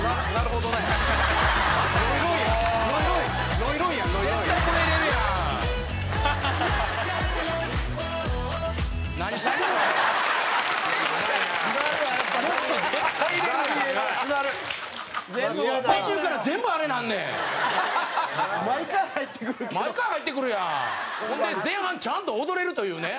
ほんで前半ちゃんと踊れるというね。